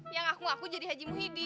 yang aku ngaku jadi haji muhyiddin